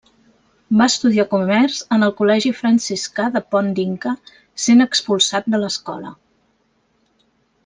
Va estudiar comerç en el col·legi franciscà de Pont d'Inca, sent expulsat de l'escola.